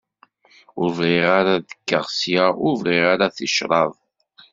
Ur bɣiɣ ara ad d-kkeɣ sya ur bɣiɣ ara ticraḍ.